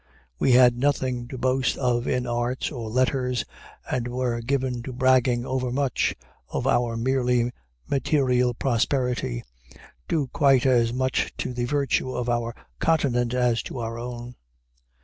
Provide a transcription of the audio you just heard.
We had nothing to boast of in arts or letters, and were given to bragging overmuch of our merely material prosperity, due quite as much to the virtue of our continent as to our own.